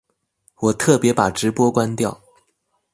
我特別把直播關掉